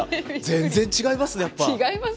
全然違いますね、やっぱ。